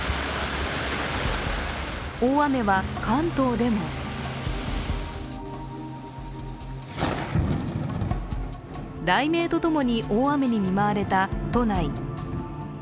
大雨は関東でも雷鳴とともに大雨に見舞われた都内。